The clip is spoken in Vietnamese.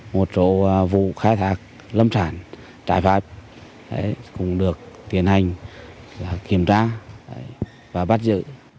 một số vụ khai thác lâm sản trái phép cũng được tiến hành kiểm tra và bắt giữ